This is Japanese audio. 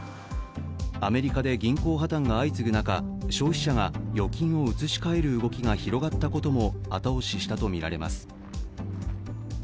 アメリカで銀行破綻が相次ぐ中、消費者が預金を移し替える動きが広がったことも後押ししたとみられます。